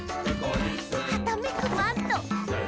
「はためくマント！」